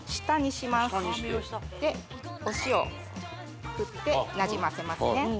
下にしてでお塩を振ってなじませますね